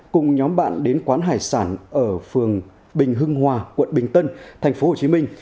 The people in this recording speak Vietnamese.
cùng nhóm bạn đến quán hải sản ở phường bình hưng hòa quận bình tân thành phố hồ chí minh